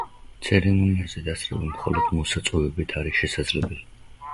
ცერემონიაზე დასწრება მხოლოდ მოსაწვევებით არის შესაძლებელი.